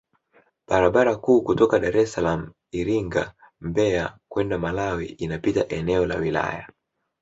Barabara kuu kutoka Daressalaam Iringa Mbeya kwenda Malawi inapita eneo la wilaya